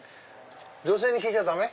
女性に聞いちゃダメ？